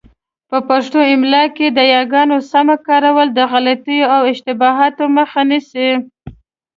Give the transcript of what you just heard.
په پښتو املاء کي د یاګانو سمه کارونه د غلطیو او اشتباهاتو مخه نیسي.